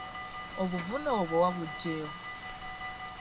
Obuvune obwo wabugye wa?